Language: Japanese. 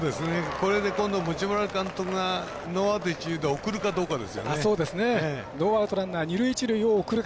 これで今度持丸監督がノーアウト、一塁で送るかどうかですよね。